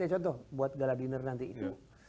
contoh buat gala dinner nanti itu